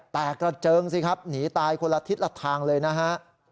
กระเจิงสิครับหนีตายคนละทิศละทางเลยนะฮะ